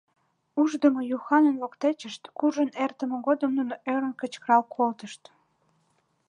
Ушдымо-Юханын воктечышт куржын эртыме годым нуно ӧрын кычкырал колтышт.